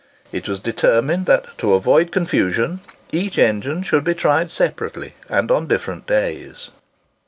It was determined that, to avoid confusion, each engine should be tried separately, and on different days.